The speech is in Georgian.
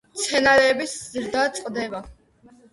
მცენარეების ზრდა წყდება.